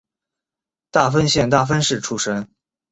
大分县大分市出身。